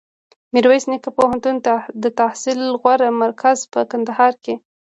میرویس نیکه پوهنتون دتحصل غوره مرکز په کندهار کي